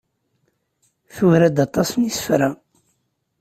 Tura-d aṭas n yisefra.